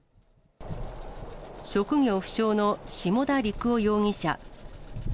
職業不詳の下田陸朗容疑者。